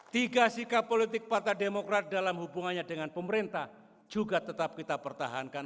tiga sikap politik partai demokrat dalam hubungannya dengan pemerintah juga tetap kita pertahankan